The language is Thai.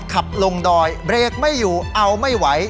ขับลงดอยเบรกไม่อยู่เอาไม่ไหว